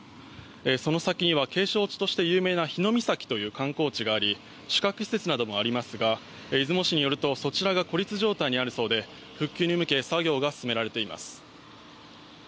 その先には景勝地として有名な日御碕という観光地があり宿泊施設などもありますが出雲市によるとそちらが孤立状態にあり復旧に向け作業が進んでいます。